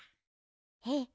えっ。